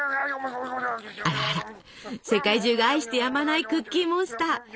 あらあら世界中が愛してやまないクッキーモンスター。